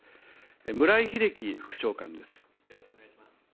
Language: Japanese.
村井英樹副長官です。